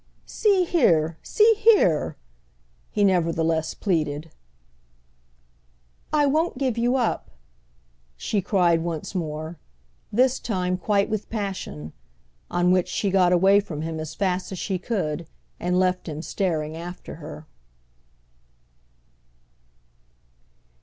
"See here—see here!" he nevertheless pleaded. "I won't give you up!" she cried once more—this time quite with passion; on which she got away from him as fast as she could and left him staring after her.